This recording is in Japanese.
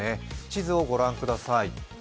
地図をご覧ください